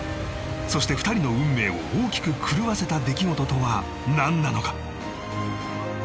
そして２人の運命を大きく狂わせた出来事とは何なのか？